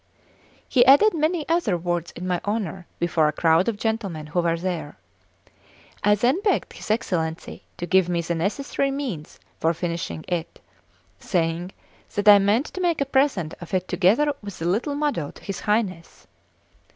He added many other words in my honour before a crowd of gentlemen who were there. I then begged his Excellency to give me the necessary means for finishing it, saying that I meant to make a present of it together with the little model to his Highness.